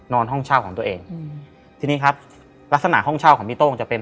ห้องเช่าของตัวเองอืมทีนี้ครับลักษณะห้องเช่าของพี่โต้งจะเป็น